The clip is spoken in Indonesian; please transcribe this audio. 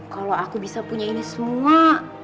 kalau aku bisa punya ini semua